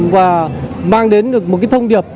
và mang đến được một cái thông điệp